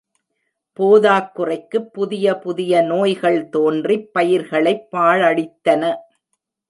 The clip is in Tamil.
போதாக் குறைக்குப் புதிய புதிய நோய்கள் தோன்றிப் பயிர்களைப் பாழடித்தன.